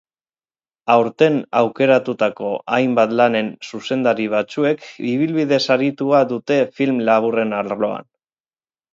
Aurten aukeratutako hainbat lanen zuzendari batzuek ibilbide saritua dute film laburren arloan.